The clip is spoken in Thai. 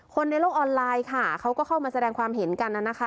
ในโลกออนไลน์ค่ะเขาก็เข้ามาแสดงความเห็นกันน่ะนะคะ